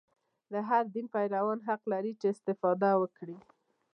د هر دین پیروان حق لري چې استفاده وکړي.